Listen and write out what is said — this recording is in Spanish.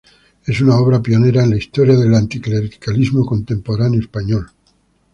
Es una obra pionera en la historia del anticlericalismo contemporáneo español.